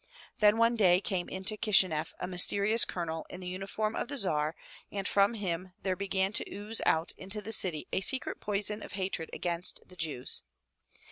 Then one day came into Kishineff a mys terious colonel in the uniform of the Tsar, and from him there began to ooze out into the city a secret poison of hatred against the Jews.